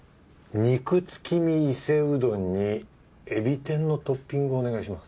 肉月見伊勢うどんにえび天のトッピングお願いします。